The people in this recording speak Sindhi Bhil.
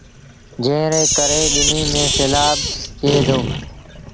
جݩهݩ ري ڪري ٻنيٚ ميݩ سيلآب ٿئي دو۔